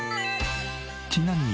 ちなみに。